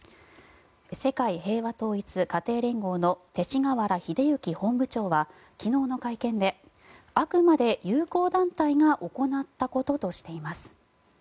世界平和統一家庭連合の勅使河原秀行本部長は昨日の会見であくまで友好団体が行ったこととしています。